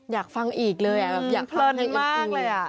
อยากฟังอีกเลยอะอยากฟังอีกเลยอะ